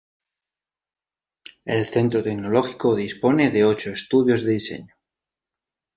El centro tecnológico dispone de ocho estudios de diseño.